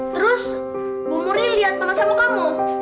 terus bu murni liat mama sama kamu